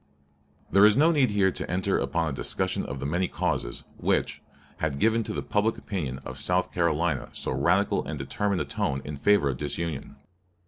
There is no need here to enter upon a discussion of the many causes which, had given to the public opinion of South Carolina so radical and determined a tone in favor of disunion.